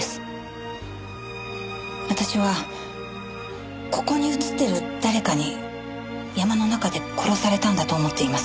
私はここに写っている誰かに山の中で殺されたんだと思っています。